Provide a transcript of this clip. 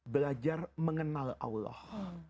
belajar mengenal allah